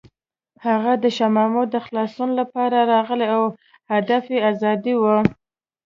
هغه د شاه محمود د خلاصون لپاره راغلی و او هدف یې ازادي وه.